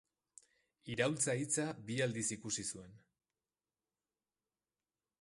Iraultza hitza bi aldiz ikusi zuen.